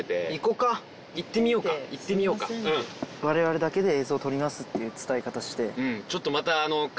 我々だけで映像撮りますって伝え方して。